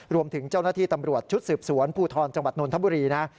รวมถึงเจ้าหน้าที่ตำรวจชุดสืบสวนภูทรจังหวัดนนทบุรีนะ